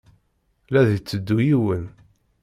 La d-itteddu yiwen.